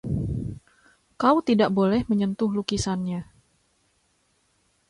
Kau tidak boleh menyentuh lukisannya.